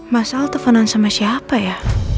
mas al teleponan sama siapa ya